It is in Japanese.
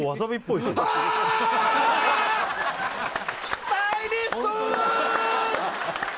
スタイリストー！